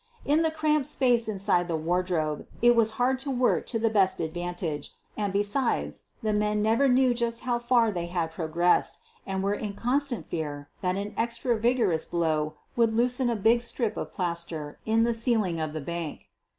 In the cramped space inside the wardrobe it was hard to work to the best advantage and, besides, the men never knew just how far they had pro gressed and were in constant fear that an extra vigorous blow would loosen a big strip of plaster in the ceiling of the bank.